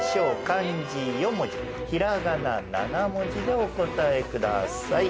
漢字４文字平仮名７文字でお答えください。